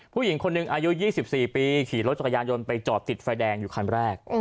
ผู้หญิงคนหนึ่งอายุ๒๔ปีขี่รถจักรยานยนต์ไปจอดติดไฟแดงอยู่คันแรก